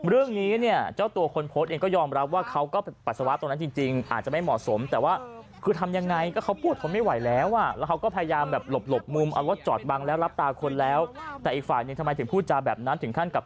ถึงขั้นกลับต้องทำร้ายร่างกายกันนะครับ